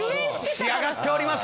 仕上がっております